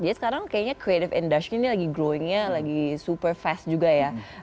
jadi sekarang kayaknya creative industry ini lagi growingnya lagi super fast juga ya